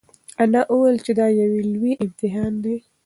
انا وویل چې دا یو لوی امتحان دی.